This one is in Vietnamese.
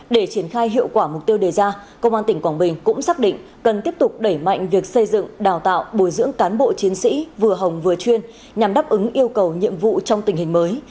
để triển khai hiệu quả mục tiêu đề ra công an tỉnh quảng bình cũng xác định cần tiếp tục đẩy mạnh việc xây dựng đào tạo bồi dưỡng cán bộ chiến sĩ vừa hồng vừa chuyên nhằm đáp ứng yêu cầu nhiệm vụ trong tình hình mới